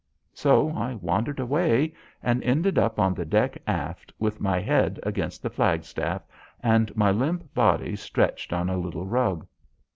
So I wandered away and ended up on the deck aft, with my head against the flagstaff and my limp body stretched on a little rug.